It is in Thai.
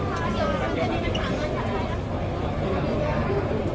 สวัสดีครับ